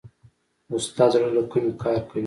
استاد د زړه له کومې کار کوي.